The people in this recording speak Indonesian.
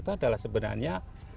itu adalah sebenarnya